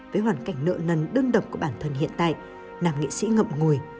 với hoàn cảnh nợ nần đơn độc của bản thân hiện tại nam nghệ sĩ ngậm ngùi